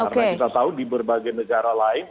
karena kita tahu di berbagai negara lain